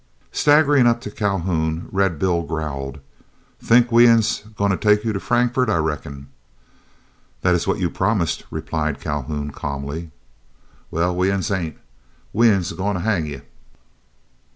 Staggering up to Calhoun, Red Bill growled: "Think we uns goin' to take you to Frankfort, I reckin'." "That is what you promised," replied Calhoun, calmly. "Well, we uns ain't. We uns goin' to hang ye!"